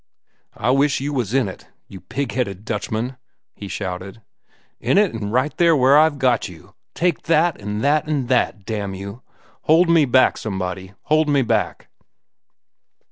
"I wish you was in it, you pig headed Dutchman!" he shouted. "In it, an' right there where I've got you! Take that! an' that! an' that! damn you! Hold me back, somebody! Hold me back!"